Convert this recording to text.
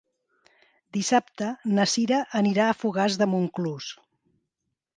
Dissabte na Sira anirà a Fogars de Montclús.